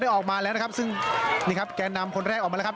ออกมาแล้วนะครับซึ่งนี่ครับแกนนำคนแรกออกมาแล้วครับ